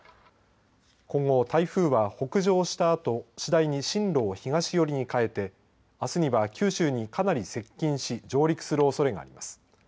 今後、台風は北上したあと次第に進路を東寄りに変えてあすには九州に、かなり接近し上陸するおそれがあります。